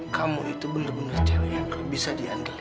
kamu itu bener bener cewek yang gak bisa diandelin